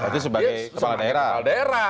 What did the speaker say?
dia sebagai kepala daerah